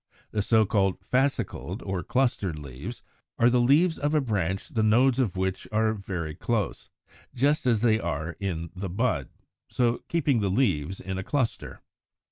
The so called Fascicled or Clustered leaves are the leaves of a branch the nodes of which are very close, just as they are in the bud, so keeping the leaves in a cluster.